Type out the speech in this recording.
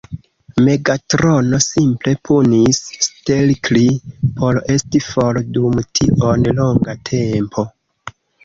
Megatrono simple punis Stelkri por esti for dum tiom longa tempo.